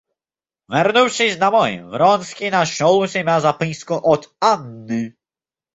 Вернувшись домой, Вронский нашел у себя записку от Анны.